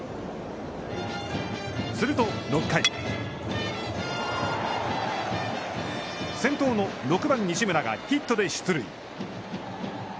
すると、６回先頭の６番西村がヒットで出塁。